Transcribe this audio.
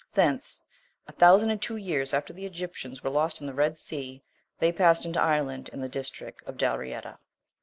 Thence, a thousand and two years after the Egyptians were lost in the Red Sea, they passed into Ireland, and the district of Dalrieta.